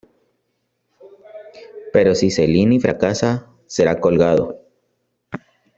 Pero si Cellini fracasa, será colgado.